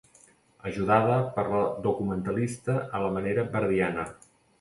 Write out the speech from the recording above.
Ajudada per la documentalista a la manera verdiana.